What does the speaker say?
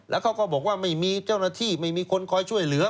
แล้วเขาก็บอกว่าไม่มีเจ้าหน้าที่ไม่มีคนคอยช่วยเหลือ